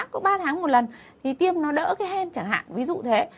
có ba tháng một lần thì tiêm nó đỡ cái hen chẳng hạn ví dụ thế